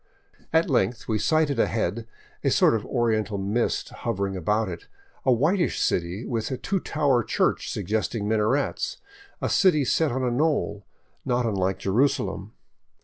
At length we sighted ahead, a sort of oriental mist hovering about it, a whitish city with a two tower church suggesting minarets, a city set on a knoll, not unlike Jerusalem.